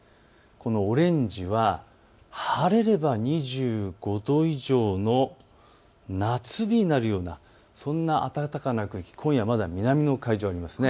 このオレンジは晴れれば２５度以上の夏日になるような、そんな暖かな空気、今夜はまだ南の海上です。